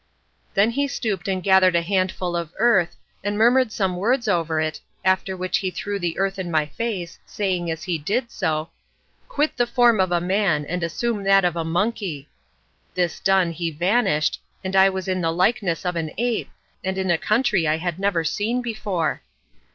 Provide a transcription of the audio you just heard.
Then he stooped and gathered a handful of earth, and murmured some words over it, after which he threw the earth in my face, saying as he did so, "Quit the form of a man, and assume that of a monkey." This done, he vanished, and I was in the likeness of an ape, and in a country I had never seen before.